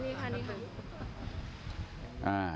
นี่แหละตรงนี้แหละ